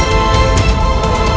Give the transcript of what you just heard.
dan ada kisosnya